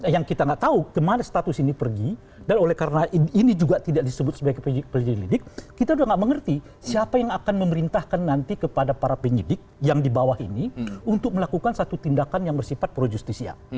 yang kita nggak tahu kemana status ini pergi dan oleh karena ini juga tidak disebut sebagai penyelidik kita sudah tidak mengerti siapa yang akan memerintahkan nanti kepada para penyidik yang di bawah ini untuk melakukan satu tindakan yang bersifat pro justisia